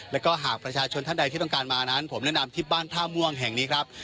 แล้วก็หากประชาชนท่านใดที่ต้องการมานั้นผมแนะนำที่บ้านท่าม่วงแห่งนี้ครับ